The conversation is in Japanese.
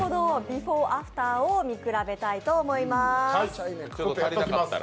ビフォーアフターを見比べたいと思います。